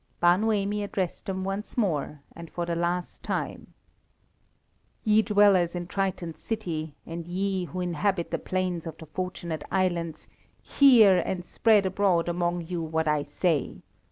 Bar Noemi addressed them once more, and for the last time "Ye dwellers in Triton's city, and ye who inhabit the plains of the Fortunate Islands, hear and spread abroad among you what I say.